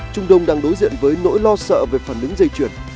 trung đông đang đối diện với nỗi lo sợ về phản ứng dây chuyển